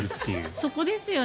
そこですよね。